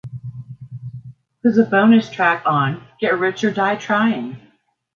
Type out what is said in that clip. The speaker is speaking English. It was a bonus track on "Get Rich or Die Tryin'".